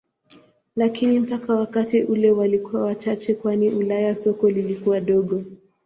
Lakini mpaka wakati ule walikuwa wachache kwani Ulaya soko lilikuwa dogo.